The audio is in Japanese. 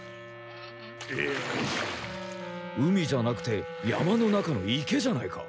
海じゃなくて山の中の池じゃないか。